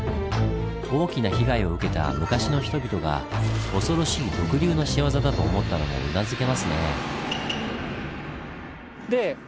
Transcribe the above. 大きな被害を受けた昔の人々が恐ろしい毒竜の仕業だと思ったのもうなずけますねぇ。